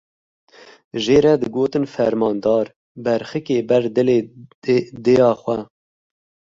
Jê re digotin fermandar, berxikê ber dilê dêya xwe.